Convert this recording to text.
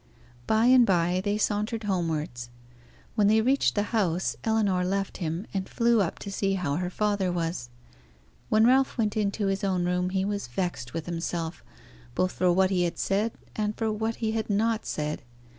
By and by they sauntered homewards. When they reached the house, Ellinor left him, and flew up to see how her father was. When Ralph went into his own room he was vexed with himself, both for what he had said and for what he had not said.